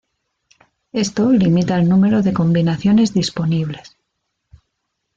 Esto limita el número de combinaciones disponibles.